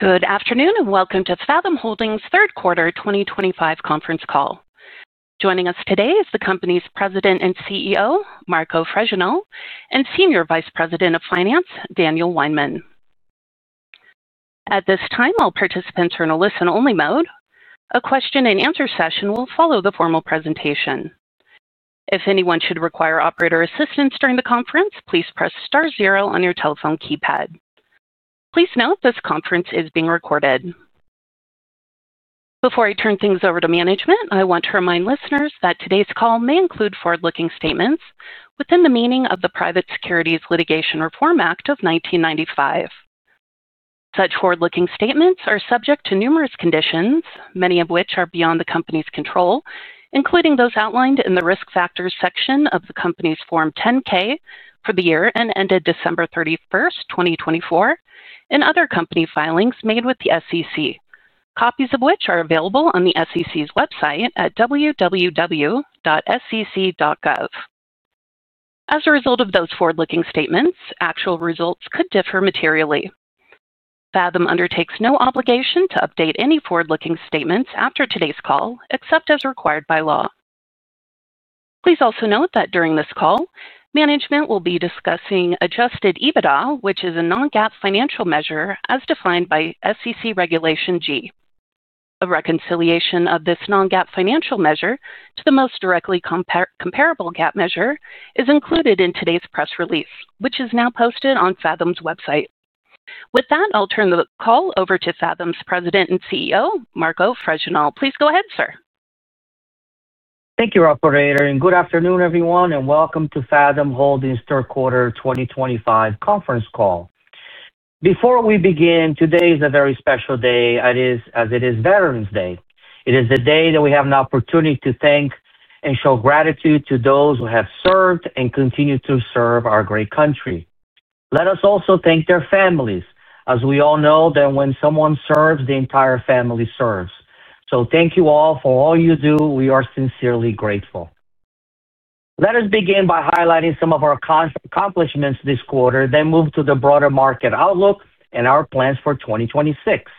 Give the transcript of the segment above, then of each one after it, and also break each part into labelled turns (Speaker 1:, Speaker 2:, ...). Speaker 1: Good afternoon and welcome to Fathom Holdings' Third Quarter 2025 Conference Call. Joining us today is the company's President and CEO, Marco Fregenal, and Senior Vice President of Finance, Daniel Weinmann. At this time, all participants are in a listen-only mode. A question-and-answer session will follow the formal presentation. If anyone should require operator assistance during the conference, please press star zero on your telephone keypad. Please note this conference is being recorded. Before I turn things over to management, I want to remind listeners that today's call may include forward-looking statements within the meaning of the Private Securities Litigation Reform Act of 1995. Such forward-looking statements are subject to numerous conditions, many of which are beyond the company's control, including those outlined in the risk factors section of the company's Form 10-K for the year ended December 31st, 2024, and other company filings made with the SEC, copies of which are available on the SEC's website at www.sec.gov. As a result of those forward-looking statements, actual results could differ materially. Fathom undertakes no obligation to update any forward-looking statements after today's call, except as required by law. Please also note that during this call, management will be discussing adjusted EBITDA, which is a non-GAAP financial measure as defined by SEC Regulation G. A reconciliation of this non-GAAP financial measure to the most directly comparable GAAP measure is included in today's press release, which is now posted on Fathom's website. With that, I'll turn the call over to Fathom's President and CEO, Marco Fregenal. Please go ahead, sir.
Speaker 2: Thank you, Operator. Good afternoon, everyone, and welcome to Fathom Holdings' Third Quarter 2025 Conference Call. Before we begin, today is a very special day as it is Veterans Day. It is the day that we have an opportunity to thank and show gratitude to those who have served and continue to serve our great country. Let us also thank their families. As we all know, when someone serves, the entire family serves. Thank you all for all you do. We are sincerely grateful. Let us begin by highlighting some of our accomplishments this quarter, then move to the broader market outlook and our plans for 2026.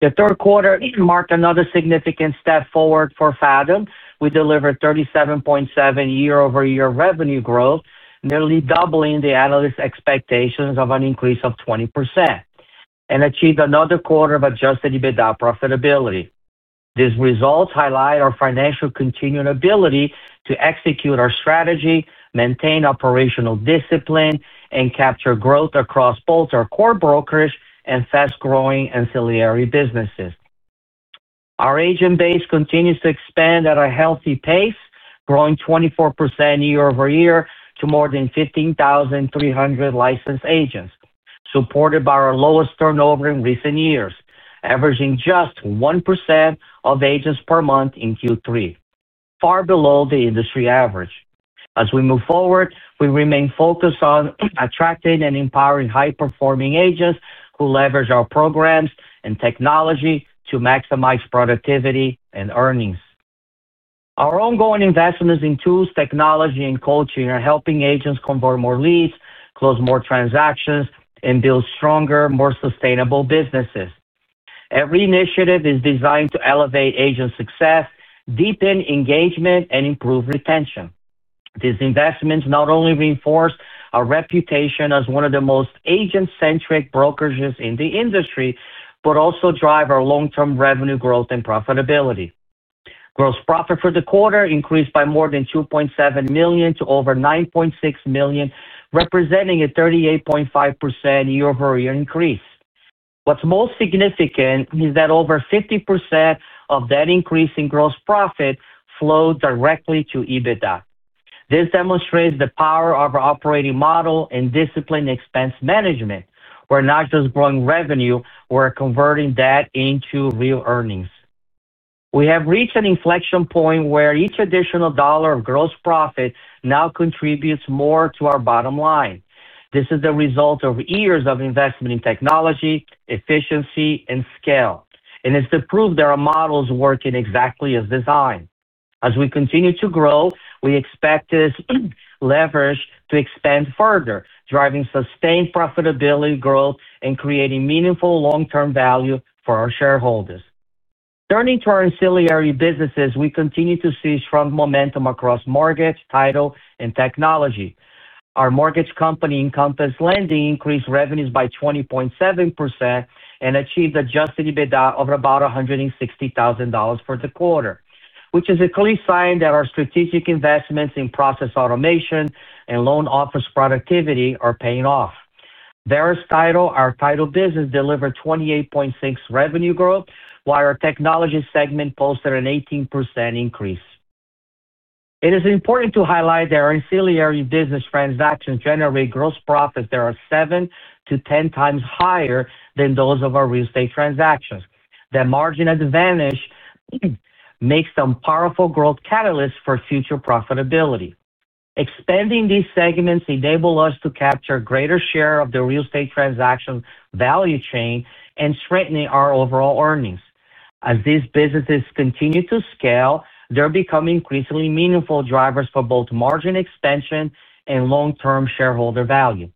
Speaker 2: The third quarter marked another significant step forward for Fathom. We delivered 37.7% year-over-year revenue growth, nearly doubling the analysts' expectations of an increase of 20%, and achieved another quarter of adjusted EBITDA profitability. These results highlight our continued financial ability to execute our strategy, maintain operational discipline, and capture growth across both our core brokers and fast-growing ancillary businesses. Our agent base continues to expand at a healthy pace, growing 24% year-over-year to more than 15,300 licensed agents, supported by our lowest turnover in recent years, averaging just 1% of agents per month in Q3, far below the industry average. As we move forward, we remain focused on attracting and empowering high-performing agents who leverage our programs and technology to maximize productivity and earnings. Our ongoing investments in tools, technology, and coaching are helping agents convert more leads, close more transactions, and build stronger, more sustainable businesses. Every initiative is designed to elevate agent success, deepen engagement, and improve retention. These investments not only reinforce our reputation as one of the most agent-centric brokerages in the industry but also drive our long-term revenue growth and profitability. Gross profit for the quarter increased by more than $2.7 million to over $9.6 million, representing a 38.5% year-over-year increase. What's most significant is that over 50% of that increase in gross profit flowed directly to EBITDA. This demonstrates the power of our operating model and disciplined expense management, where not just growing revenue, we're converting that into real earnings. We have reached an inflection point where each additional dollar of gross profit now contributes more to our bottom line. This is the result of years of investment in technology, efficiency, and scale, and it's the proof that our models work exactly as designed. As we continue to grow, we expect this leverage to expand further, driving sustained profitability growth and creating meaningful long-term value for our shareholders. Turning to our ancillary businesses, we continue to see strong momentum across mortgage, title, and technology. Our mortgage company Encompass Lending increased revenues by 20.7% and achieved adjusted EBITDA of about $160,000 for the quarter, which is a clear sign that our strategic investments in process automation and loan office productivity are paying off. Verus Title, our title business, delivered 28.6% revenue growth, while our technology segment posted an 18% increase. It is important to highlight that our ancillary business transactions generate gross profits that are 7-10x higher than those of our real estate transactions. That margin advantage makes them powerful growth catalysts for future profitability. Expanding these segments enables us to capture a greater share of the real estate transaction value chain and strengthen our overall earnings. As these businesses continue to scale, they're becoming increasingly meaningful drivers for both margin expansion and long-term shareholder value.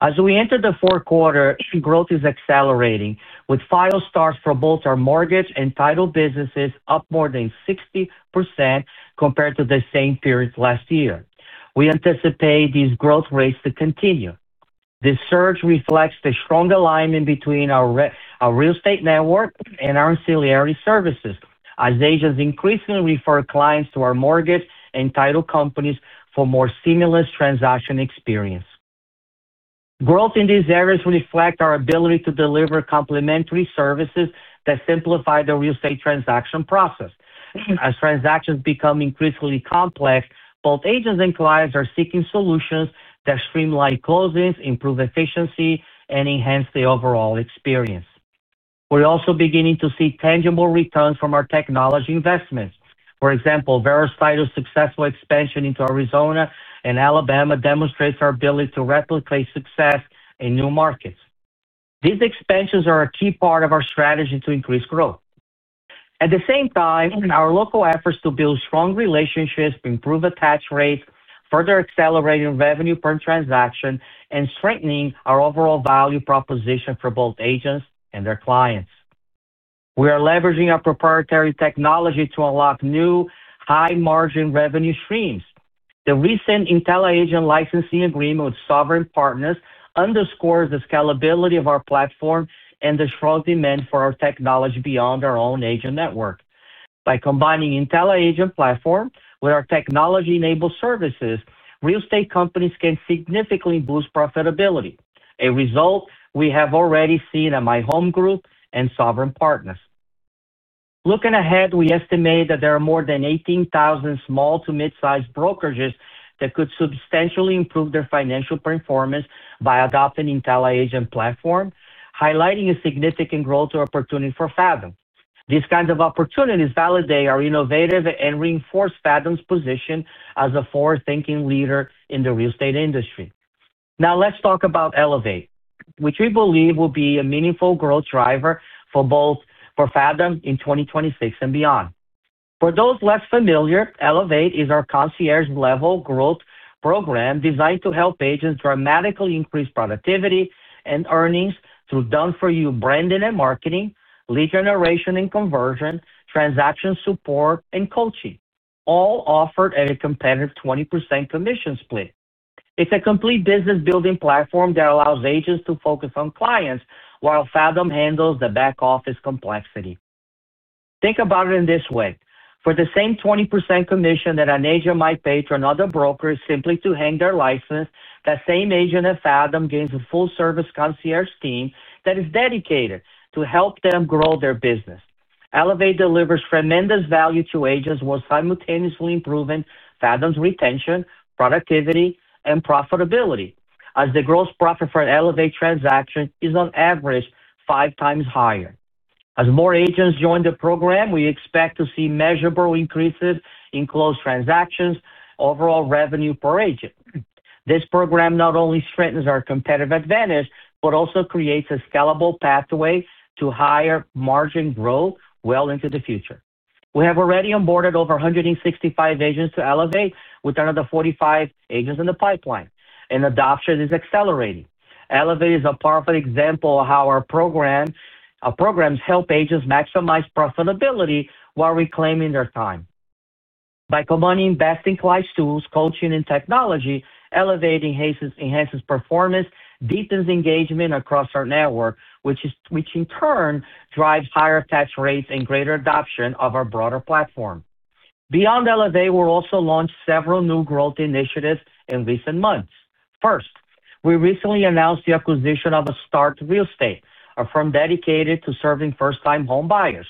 Speaker 2: As we enter the fourth quarter, growth is accelerating, with five stars for both our mortgage and title businesses up more than 60% compared to the same period last year. We anticipate these growth rates to continue. This surge reflects the strong alignment between our real estate network and our ancillary services, as agents increasingly refer clients to our mortgage and title companies for more seamless transaction experience. Growth in these areas reflects our ability to deliver complementary services that simplify the real estate transaction process. As transactions become increasingly complex, both agents and clients are seeking solutions that streamline closings, improve efficiency, and enhance the overall experience. We're also beginning to see tangible returns from our technology investments. For example, Verus Title's successful expansion into Arizona and Alabama demonstrates our ability to replicate success in new markets. These expansions are a key part of our strategy to increase growth. At the same time, our local efforts to build strong relationships, improve attach rates, further accelerating revenue per transaction, and strengthening our overall value proposition for both agents and their clients. We are leveraging our proprietary technology to unlock new high-margin revenue streams. The recent intelliAgent licensing agreement with Sovereign Partners underscores the scalability of our platform and the strong demand for our technology beyond our own agent network. By combining the intelliAgent platform with our technology-enabled services, real estate companies can significantly boost profitability, a result we have already seen at My Home Group and Sovereign Partners. Looking ahead, we estimate that there are more than 18,000 small to mid-sized brokerages that could substantially improve their financial performance by adopting intelliAgent platform, highlighting a significant growth opportunity for Fathom. This kind of opportunity is validated in our innovative and reinforced Fathom's position as a forward-thinking leader in the real estate industry. Now, let's talk about Elevate, which we believe will be a meaningful growth driver for both Fathom in 2026 and beyond. For those less familiar, Elevate is our concierge-level growth program designed to help agents dramatically increase productivity and earnings through done-for-you branding and marketing, lead generation and conversion, transaction support, and coaching, all offered at a competitive 20% commission split. It's a complete business-building platform that allows agents to focus on clients while Fathom handles the back-office complexity. Think about it this way: for the same 20% commission that an agent might pay to another broker simply to hang their license, that same agent at Fathom gains a full-service concierge team that is dedicated to help them grow their business. Elevate delivers tremendous value to agents while simultaneously improving Fathom's retention, productivity, and profitability, as the gross profit for an Elevate transaction is on average 5x higher. As more agents join the program, we expect to see measurable increases in closed transactions and overall revenue per agent. This program not only strengthens our competitive advantage but also creates a scalable pathway to higher margin growth well into the future. We have already onboarded over 165 agents to Elevate, with another 45 agents in the pipeline, and adoption is accelerating. Elevate is a powerful example of how our programs help agents maximize profitability while reclaiming their time. By combining best-in-class tools, coaching, and technology, Elevate enhances performance, deepens engagement across our network, which in turn drives higher attach rates and greater adoption of our broader platform. Beyond Elevate, we've also launched several new growth initiatives in recent months. First, we recently announced the acquisition of START Real Estate, a firm dedicated to serving first-time home buyers.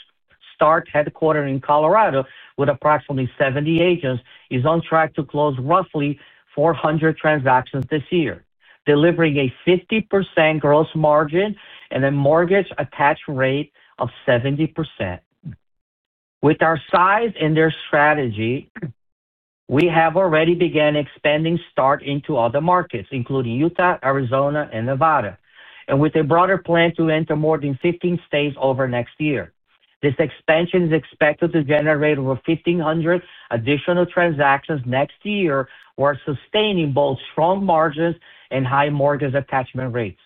Speaker 2: START, headquartered in Colorado with approximately 70 agents, is on track to close roughly 400 transactions this year, delivering a 50% gross margin and a mortgage attach rate of 70%. With our size and their strategy, we have already begun expanding Start into other markets, including Utah, Arizona, and Nevada, and with a broader plan to enter more than 15 states over next year. This expansion is expected to generate over 1,500 additional transactions next year, while sustaining both strong margins and high mortgage attachment rates.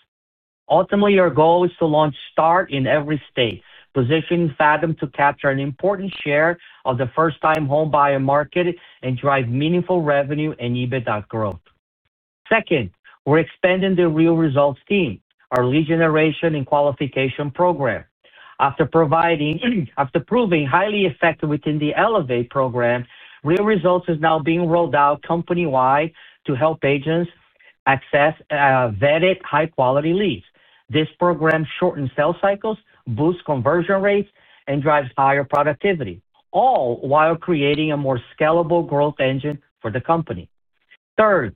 Speaker 2: Ultimately, our goal is to launch START in every state, positioning Fathom to capture an important share of the first-time home buyer market and drive meaningful revenue and EBITDA growth. Second, we're expanding the Real Results team, our lead generation and qualification program. After proving highly effective within the Elevate program, Real Results is now being rolled out company-wide to help agents access vetted, high-quality leads. This program shortens sales cycles, boosts conversion rates, and drives higher productivity, all while creating a more scalable growth engine for the company. Third,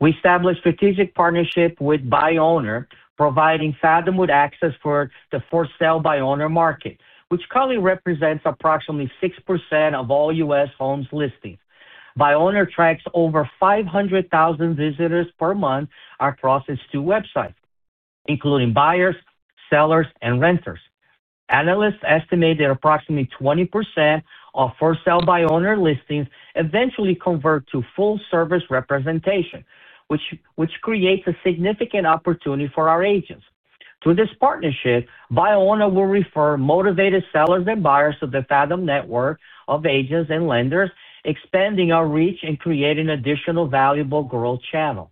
Speaker 2: we established strategic partnerships with ByOwner, providing Fathom with access for the for-sale ByOwner market, which currently represents approximately 6% of all U.S. homes listings. ByOwner tracks over 500,000 visitors per month across its two websites, including buyers, sellers, and renters. Analysts estimate that approximately 20% of for-sale ByOwner listings eventually convert to full-service representation, which creates a significant opportunity for our agents. Through this partnership, ByOwner will refer motivated sellers and buyers to the Fathom network of agents and lenders, expanding our reach and creating additional valuable growth channels.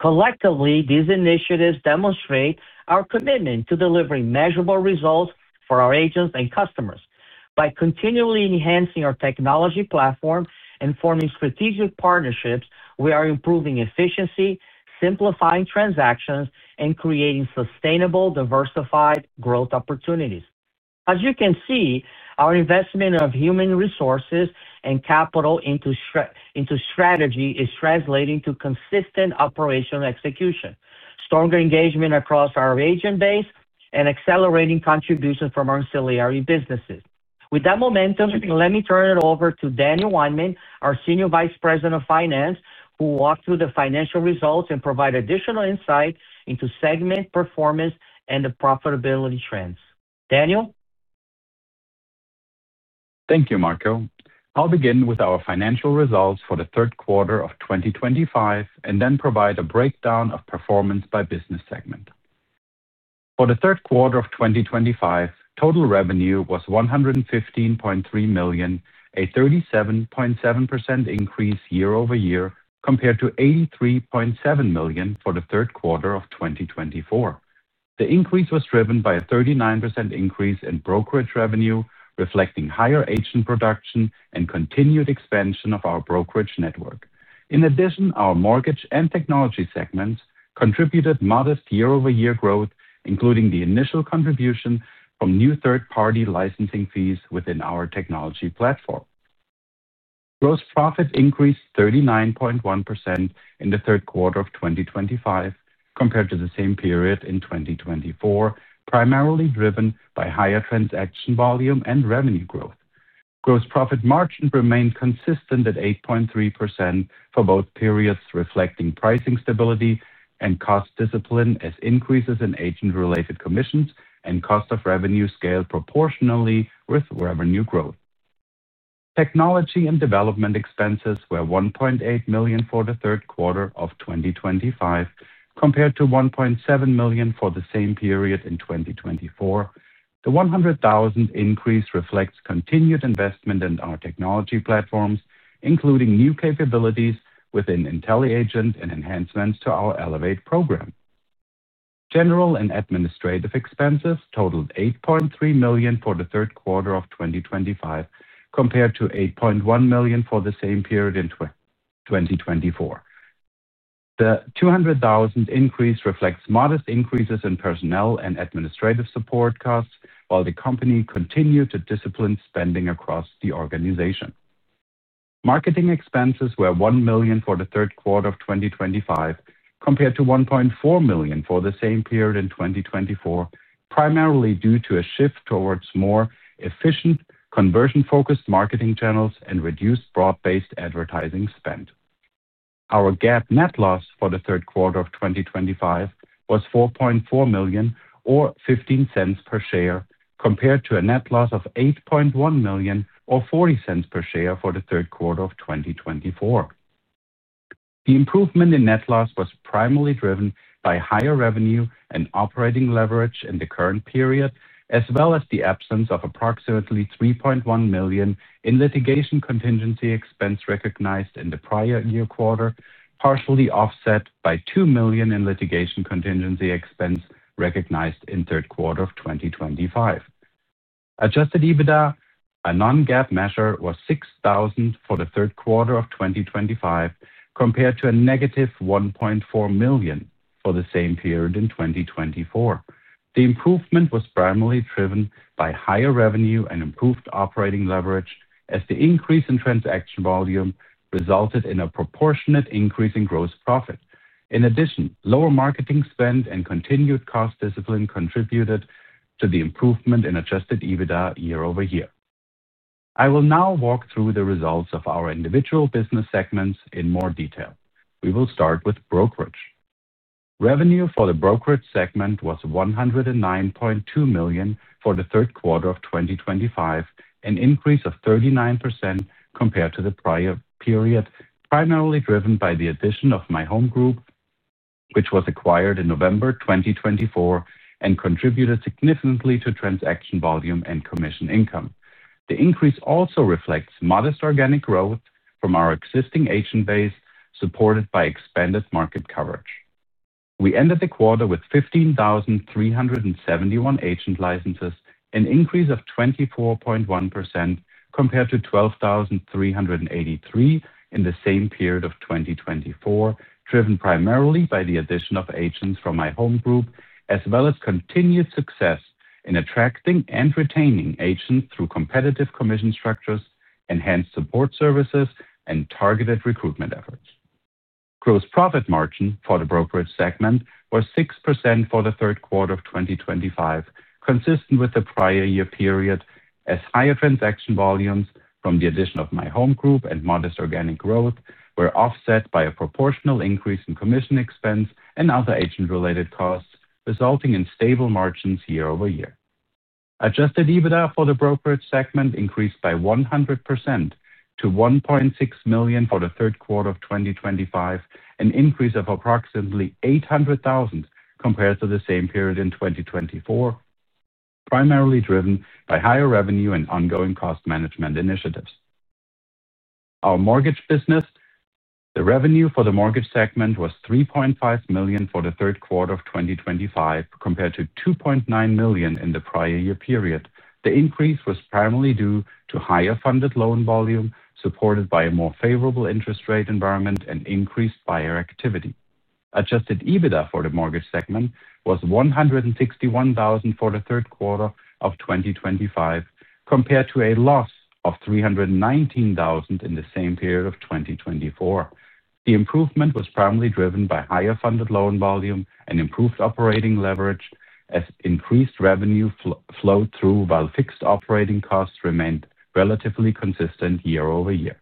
Speaker 2: Collectively, these initiatives demonstrate our commitment to delivering measurable results for our agents and customers. By continually enhancing our technology platform and forming strategic partnerships, we are improving efficiency, simplifying transactions, and creating sustainable, diversified growth opportunities. As you can see, our investment of human resources and capital into strategy is translating to consistent operational execution, stronger engagement across our agent base, and accelerating contributions from our ancillary businesses. With that momentum, let me turn it over to Daniel Weinmann, our Senior Vice President of Finance, who will walk through the financial results and provide additional insight into segment performance and the profitability trends. Daniel?
Speaker 3: Thank you, Marco. I'll begin with our financial results for the third quarter of 2025 and then provide a breakdown of performance by business segment. For the third quarter of 2025, total revenue was $115.3 million, a 37.7% increase year-over-year compared to $83.7 million for the third quarter of 2024. The increase was driven by a 39% increase in brokerage revenue, reflecting higher agent production and continued expansion of our brokerage network. In addition, our mortgage and technology segments contributed modest year-over-year growth, including the initial contribution from new third-party licensing fees within our technology platform. Gross profit increased 39.1% in the third quarter of 2025 compared to the same period in 2024, primarily driven by higher transaction volume and revenue growth. Gross profit margin remained consistent at 8.3% for both periods, reflecting pricing stability and cost discipline as increases in agent-related commissions and cost of revenue scaled proportionally with revenue growth. Technology and development expenses were $1.8 million for the third quarter of 2025 compared to $1.7 million for the same period in 2024. The $100,000 increase reflects continued investment in our technology platforms, including new capabilities within intelliAgent and enhancements to our Elevate program. General and administrative expenses totaled $8.3 million for the third quarter of 2025 compared to $8.1 million for the same period in 2024. The $200,000 increase reflects modest increases in personnel and administrative support costs, while the company continued to discipline spending across the organization. Marketing expenses were $1 million for the third quarter of 2025 compared to $1.4 million for the same period in 2024, primarily due to a shift towards more efficient, conversion-focused marketing channels and reduced broad-based advertising spend. Our GAAP net loss for the third quarter of 2025 was $4.4 million, or $0.15 per share, compared to a net loss of $8.1 million, or $0.40 per share for the third quarter of 2024. The improvement in net loss was primarily driven by higher revenue and operating leverage in the current period, as well as the absence of approximately $3.1 million in litigation contingency expense recognized in the prior year quarter, partially offset by $2 million in litigation contingency expense recognized in the third quarter of 2025. Adjusted EBITDA, a non-GAAP measure, was $6,000 for the third quarter of 2025 compared to a -$1.4 million for the same period in 2024. The improvement was primarily driven by higher revenue and improved operating leverage, as the increase in transaction volume resulted in a proportionate increase in gross profit. In addition, lower marketing spend and continued cost discipline contributed to the improvement in adjusted EBITDA year-over-year. I will now walk through the results of our individual business segments in more detail. We will start with brokerage. Revenue for the brokerage segment was $109.2 million for the third quarter of 2025, an increase of 39% compared to the prior period, primarily driven by the addition of My Home Group, which was acquired in November 2024 and contributed significantly to transaction volume and commission income. The increase also reflects modest organic growth from our existing agent base, supported by expanded market coverage. We ended the quarter with 15,371 agent licenses, an increase of 24.1% compared to 12,383 in the same period of 2024, driven primarily by the addition of agents from My Home Group, as well as continued success in attracting and retaining agents through competitive commission structures, enhanced support services, and targeted recruitment efforts. Gross profit margin for the brokerage segment was 6% for the third quarter of 2025, consistent with the prior year period, as higher transaction volumes from the addition of My Home Group and modest organic growth were offset by a proportional increase in commission expense and other agent-related costs, resulting in stable margins year-over-year. Adjusted EBITDA for the brokerage segment increased by 100% to $1.6 million for the third quarter of 2025, an increase of approximately $800,000 compared to the same period in 2024, primarily driven by higher revenue and ongoing cost management initiatives. Our mortgage business. The revenue for the mortgage segment was $3.5 million for the third quarter of 2025 compared to $2.9 million in the prior year period. The increase was primarily due to higher funded loan volume, supported by a more favorable interest rate environment and increased buyer activity. Adjusted EBITDA for the mortgage segment was $161,000 for the third quarter of 2025, compared to a loss of $319,000 in the same period of 2024. The improvement was primarily driven by higher funded loan volume and improved operating leverage, as increased revenue flowed through while fixed operating costs remained relatively consistent year-over-year.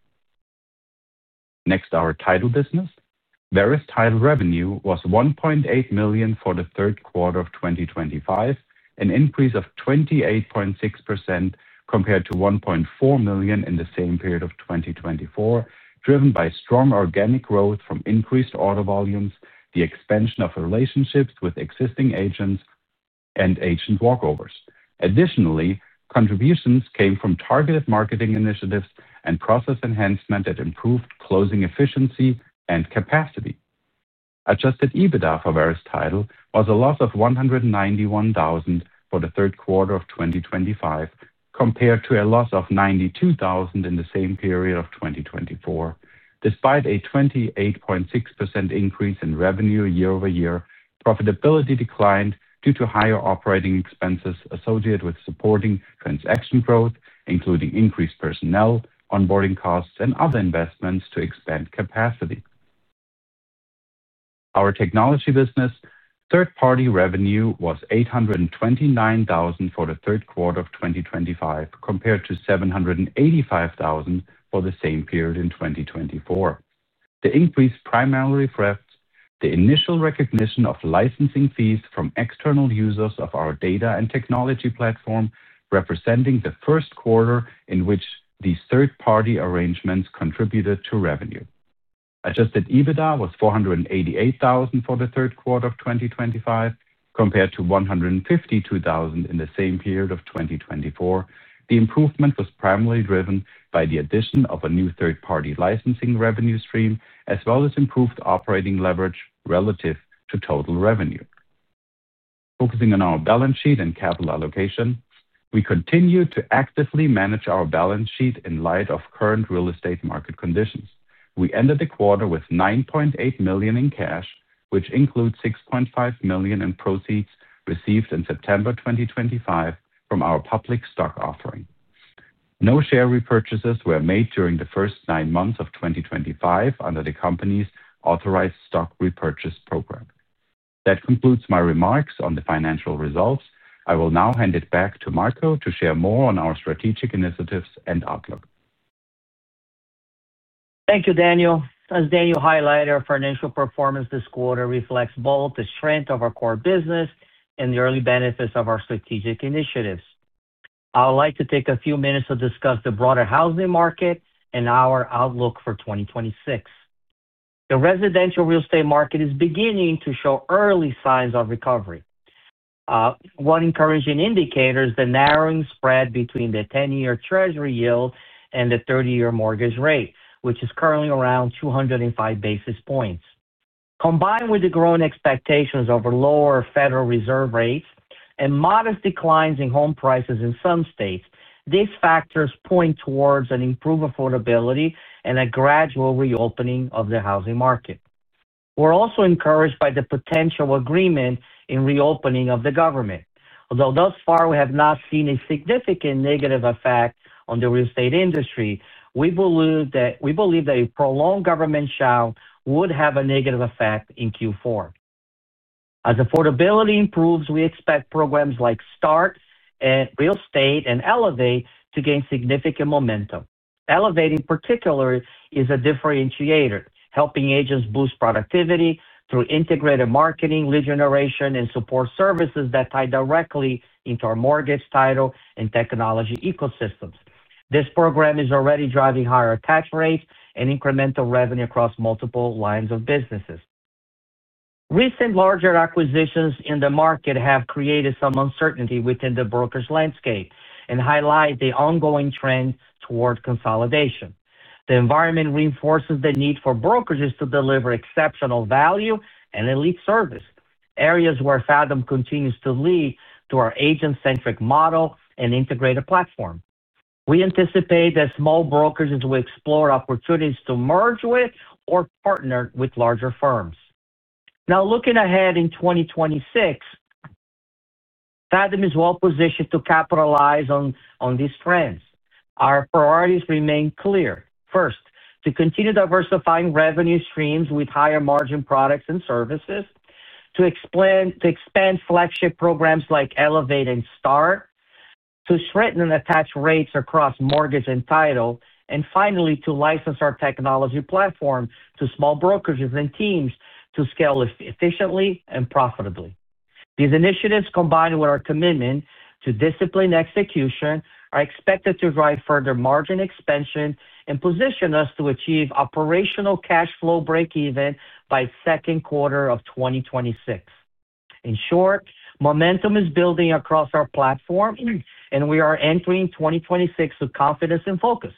Speaker 3: Next, our title business. Verus Title revenue was $1.8 million for the third quarter of 2025, an increase of 28.6% compared to $1.4 million in the same period of 2024, driven by strong organic growth from increased order volumes, the expansion of relationships with existing agents, and agent walkovers. Additionally, contributions came from targeted marketing initiatives and process enhancement that improved closing efficiency and capacity. Adjusted EBITDA for Verus Title was a loss of $191,000 for the third quarter of 2025, compared to a loss of $92,000 in the same period of 2024. Despite a 28.6% increase in revenue year-over-year, profitability declined due to higher operating expenses associated with supporting transaction growth, including increased personnel, onboarding costs, and other investments to expand capacity. Our technology business third-party revenue was $829,000 for the third quarter of 2025, compared to $785,000 for the same period in 2024. The increase primarily reflects the initial recognition of licensing fees from external users of our data and technology platform, representing the first quarter in which these third-party arrangements contributed to revenue. Adjusted EBITDA was $488,000 for the third quarter of 2025, compared to $152,000 in the same period of 2024. The improvement was primarily driven by the addition of a new third-party licensing revenue stream, as well as improved operating leverage relative to total revenue. Focusing on our balance sheet and capital allocation, we continue to actively manage our balance sheet in light of current real estate market conditions. We ended the quarter with $9.8 million in cash, which includes $6.5 million in proceeds received in September 2025 from our public stock offering. No share repurchases were made during the first nine months of 2025 under the company's authorized stock repurchase program. That concludes my remarks on the financial results. I will now hand it back to Marco to share more on our strategic initiatives and outlook.
Speaker 2: Thank you, Daniel. As Daniel highlighted, our financial performance this quarter reflects both the strength of our core business and the early benefits of our strategic initiatives. I would like to take a few minutes to discuss the broader housing market and our outlook for 2026. The residential real estate market is beginning to show early signs of recovery. One encouraging indicator is the narrowing spread between the 10-year Treasury yield and the 30-year mortgage rate, which is currently around 205 basis points. Combined with the growing expectations of lower Federal Reserve rates and modest declines in home prices in some states, these factors point towards an improved affordability and a gradual reopening of the housing market. We're also encouraged by the potential agreement in reopening of the government. Although thus far we have not seen a significant negative effect on the real estate industry, we believe that a prolonged government shutdown would have a negative effect in Q4. As affordability improves, we expect programs like START Real Estate and Elevate to gain significant momentum. Elevate, in particular, is a differentiator, helping agents boost productivity through integrated marketing, lead generation, and support services that tie directly into our mortgage, title, and technology ecosystems. This program is already driving higher attach rates and incremental revenue across multiple lines of business. Recent larger acquisitions in the market have created some uncertainty within the brokerage landscape and highlight the ongoing trend toward consolidation. The environment reinforces the need for brokerages to deliver exceptional value and elite service, areas where Fathom continues to lead due to our agent-centric model and integrated platform. We anticipate that small brokerages will explore opportunities to merge with or partner with larger firms. Now, looking ahead in 2026, Fathom is well positioned to capitalize on these trends. Our priorities remain clear. First, to continue diversifying revenue streams with higher margin products and services, to expand flagship programs like Elevate and START, to strengthen attach rates across mortgage and title, and finally, to license our technology platform to small brokerages and teams to scale efficiently and profitably. These initiatives, combined with our commitment to discipline execution, are expected to drive further margin expansion and position us to achieve operational cash flow breakeven by the second quarter of 2026. In short, momentum is building across our platform, and we are entering 2026 with confidence and focus.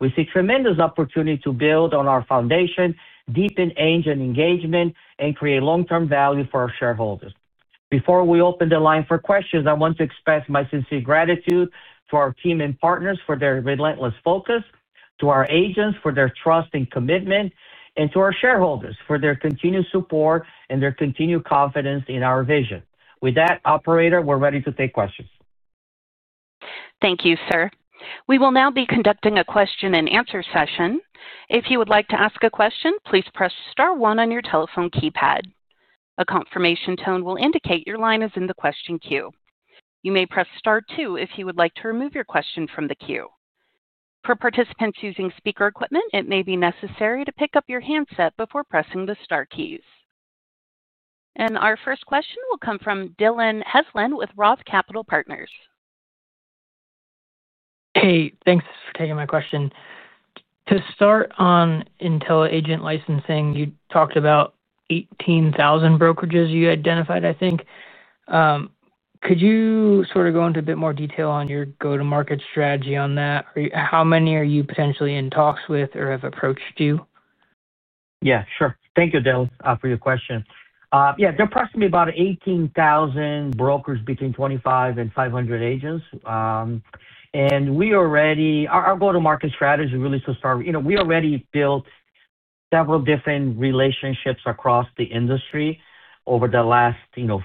Speaker 2: We see tremendous opportunity to build on our foundation, deepen agent engagement, and create long-term value for our shareholders. Before we open the line for questions, I want to express my sincere gratitude to our team and partners for their relentless focus, to our agents for their trust and commitment, and to our shareholders for their continued support and their continued confidence in our vision. With that, Operator, we're ready to take questions.
Speaker 1: Thank you, sir. We will now be conducting a question-and-answer session. If you would like to ask a question, please press star one on your telephone keypad. A confirmation tone will indicate your line is in the question queue. You may press star two if you would like to remove your question from the queue. For participants using speaker equipment, it may be necessary to pick up your handset before pressing the star keys. Our first question will come from Dillon Heslin with Roth Capital Partners. Hey, thanks for taking my question.
Speaker 4: To start on intelliAgent licensing, you talked about 18,000 brokerages you identified, I think. Could you sort of go into a bit more detail on your go-to-market strategy on that? How many are you potentially in talks with or have approached you?
Speaker 2: Yeah, sure. Thank you, Dillon, for your question. Yeah, there are approximately about 18,000 brokers between 25 and 500 agents. Our go-to-market strategy really started—we already built several different relationships across the industry over the last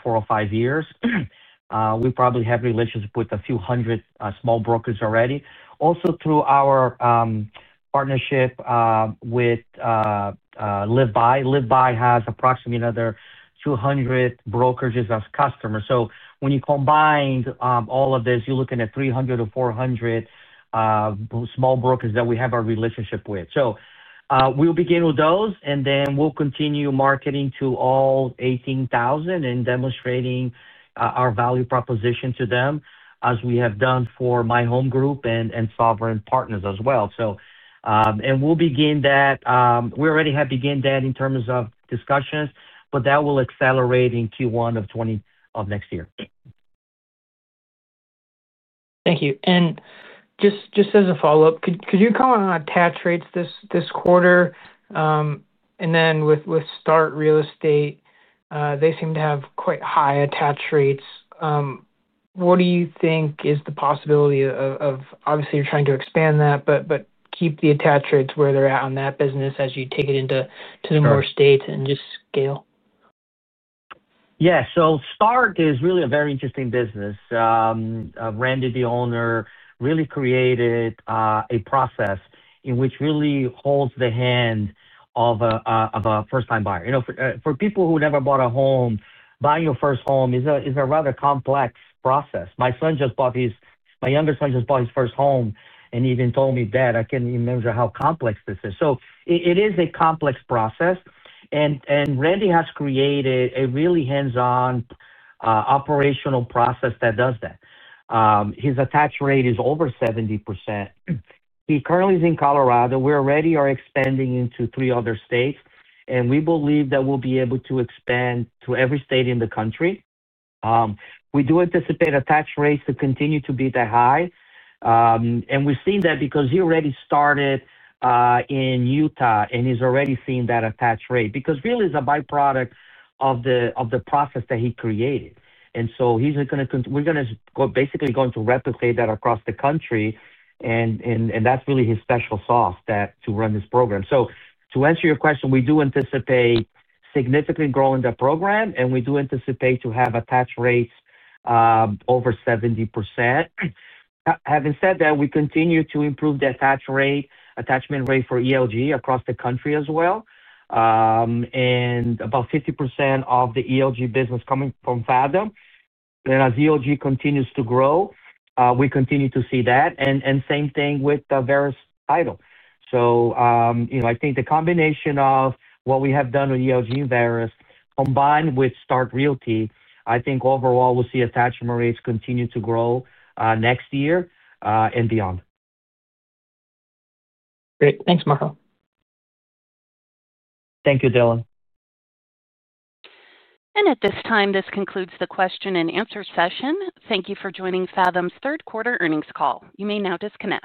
Speaker 2: four or five years. We probably have relationships with a few hundred small brokers already. Also, through our partnership with LiveBy, LiveBy has approximately another 200 brokerages as customers. When you combine all of this, you're looking at 300 or 400 small brokers that we have our relationship with. We'll begin with those, and then we'll continue marketing to all 18,000 and demonstrating our value proposition to them, as we have done for My Home Group and Sovereign Partners as well. We'll begin that—we already have begun that in terms of discussions, but that will accelerate in Q1 of next year.
Speaker 4: Thank you. Just as a follow-up, could you comment on attach rates this quarter? With START Real Estate, they seem to have quite high attach rates. What do you think is the possibility of—obviously, you're trying to expand that, but keep the attach rates where they're at on that business as you take it into more states and just scale?
Speaker 2: Yeah. START is really a very interesting business. Randy, the owner, really created a process in which really holds the hand of a first-time buyer. For people who never bought a home, buying your first home is a rather complex process. My son just bought his—my younger son just bought his first home and even told me that. I cannot even imagine how complex this is. It is a complex process. Randy has created a really hands-on operational process that does that. His attach rate is over 70%. He currently is in Colorado. We already are expanding into three other states, and we believe that we will be able to expand to every state in the country. We do anticipate attach rates to continue to be that high. We have seen that because he already started in Utah and he has already seen that attach rate. It is really a byproduct of the process that he created. He is going to—we are going to basically replicate that across the country, and that is really his special sauce to run this program. To answer your question, we do anticipate significantly growing the program, and we do anticipate to have attach rates over 70%. Having said that, we continue to improve the attach rate, attachment rate for ELG across the country as well. About 50% of the ELG business is coming from Fathom. As ELG continues to grow, we continue to see that. Same thing with Verus Title. I think the combination of what we have done with ELG and Verus, combined with START Real Estate, overall we will see attachment rates continue to grow next year and beyond.
Speaker 4: Great. Thanks, Marco.
Speaker 2: Thank you, Dylan.
Speaker 1: At this time, this concludes the question and answer session. Thank you for joining Fathom's Third Quarter Earnings Call. You may now disconnect.